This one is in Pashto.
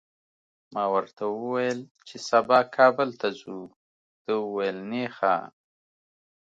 ما ورته وویل چي سبا کابل ته ځو، ده وویل نېخه!